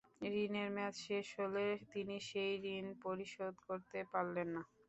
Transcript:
ঋণের মেয়াদ শেষ হলে তিনি সেই ঋণ পরিশোধ করতে পারলেন না।